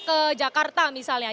ke jalan jalan tengah